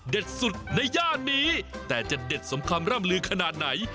สุดในย่านนี้แต่จะเด็ดสมคำร่ำลือขนาดไหน